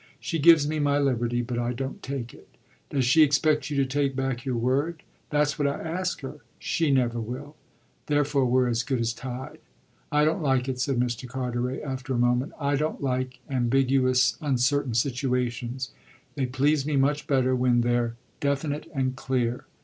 She gives me my liberty, but I don't take it." "Does she expect you to take back your word?" "That's what I ask her. She never will. Therefore we're as good as tied." "I don't like it," said Mr. Carteret after a moment. "I don't like ambiguous, uncertain situations. They please me much better when they're definite and clear."